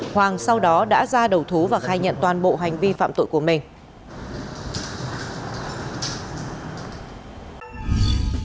hoàng sau đó đã ra đầu thú và khai nhận toàn bộ hành vi phạm tội của mình